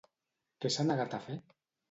Què s'ha negat a fer?